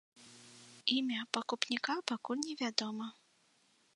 Імя пакупніка пакуль не вядома.